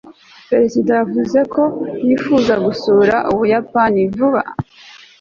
perezida yavuze ko yifuza gusura ubuyapani vuba